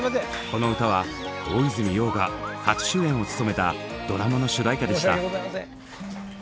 この歌は大泉洋が初主演を務めたドラマの主題歌でした。